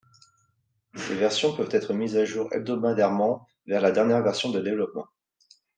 Ces versions peuvent être mises à jour hebdomadairement vers la dernière version de développement.